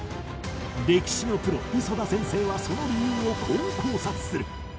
歴史のプロ磯田先生はその理由をこう考察する